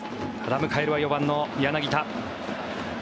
迎えるは４番の柳田。